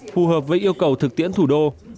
phù hợp với yêu cầu thực tiễn thủ đô